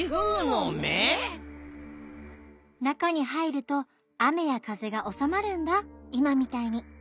なかにはいるとあめやかぜがおさまるんだいまみたいに。